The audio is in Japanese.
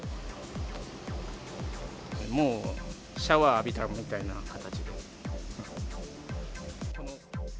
もうシャワー浴びたみたいな形ですね。